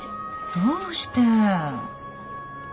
どうして。